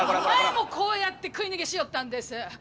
前もこうやって食い逃げしよったんです。